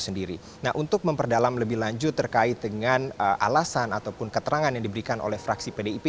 nah untuk memperdalam lebih lanjut terkait dengan alasan ataupun keterangan yang diberikan oleh fraksi pdip